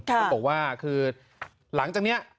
เขาบอกว่าคือหลังจากนี้